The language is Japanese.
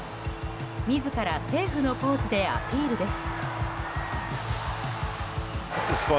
自らセーフのポーズでアピールです。